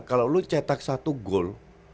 kalau lo cetak satu gol